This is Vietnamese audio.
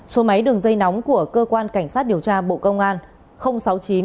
số máy đường dây nóng của cơ quan cảnh sát điều tra bộ công an